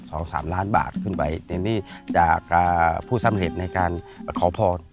สามล้านบาทขึ้นไปในที่จากพูดซับเผ็ดในการขอโพน